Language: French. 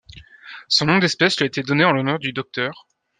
Son nom d'espèce lui a été donné en l'honneur du Dr.